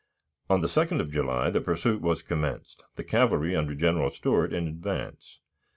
On the 2d of July the pursuit was commenced, the cavalry under General Stuart in advance.